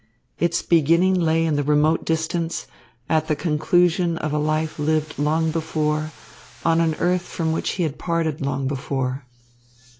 Its beginning lay in the remote distance, at the conclusion of a life lived long before, on an earth from which he had parted long before.